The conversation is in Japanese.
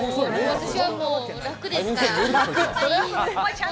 私は、もう楽ですから。